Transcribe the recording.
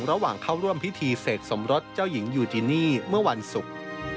ระหว่างเข้าร่วมพิธีเสกสมรสเจ้าหญิงยูจินี่เมื่อวันศุกร์